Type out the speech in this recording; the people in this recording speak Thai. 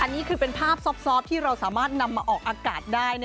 อันนี้คือเป็นภาพซอฟที่เราสามารถนำมาออกอากาศได้